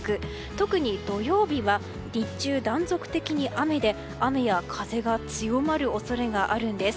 特に土曜日は日中、断続的に雨で雨や風が強まる恐れがあるんです。